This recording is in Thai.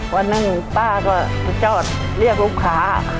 วันนั้นป๊าก็ชอบเรียกลูกขา